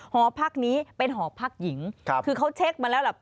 หอพักนี้เป็นหอพักอีหญิงคือเค้าเช็กมาแล้วล่ะครับ